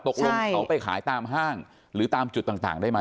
ตกลงเขาไปขายตามห้างหรือตามจุดต่างได้ไหม